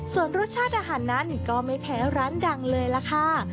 ส่วนรสชาติอาหารนั้นก็ไม่แพ้ร้านดังเลยล่ะค่ะ